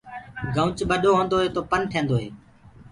گنوُچ ٻڏو هوندو هي تو پن ٺيندو هي۔